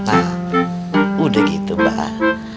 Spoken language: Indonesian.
nah udah gitu bah